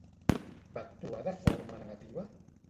Va actuar de forma negativa?